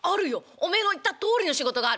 おめえが言ったとおりの仕事がある。